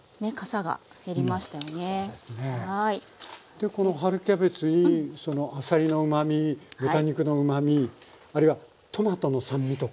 でこの春キャベツにあさりのうまみ豚肉のうまみあるいはトマトの酸味とか？